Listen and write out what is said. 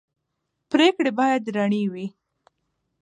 پرېکړې باید رڼې وي